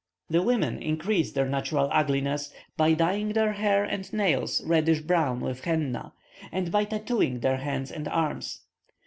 The women increase their natural ugliness, by dyeing their hair and nails reddish brown with henna, and by tattooing their hands and arms.